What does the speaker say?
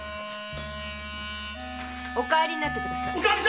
お帰りになってください。